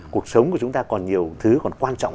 cuộc sống của chúng ta còn nhiều thứ còn quan trọng